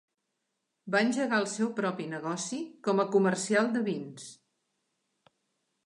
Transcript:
Va engegar el seu propi negoci com a comercial de vins.